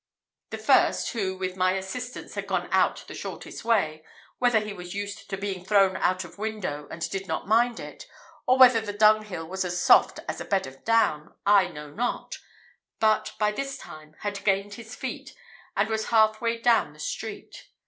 The first, who, with my assistance, had gone out the shortest way whether he was used to being thrown out of window and did not mind it, or whether the dunghill was as soft as a bed of down, I know not; but by this time had gained his feet, and was half way down the street.